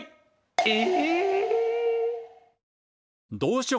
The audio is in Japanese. え！